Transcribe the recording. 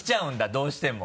どうしても。